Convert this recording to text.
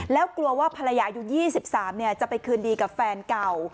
แล้วกลัวว่าภรรยาอายุ๒๓จะไปคืนดีกับแฟนเก่า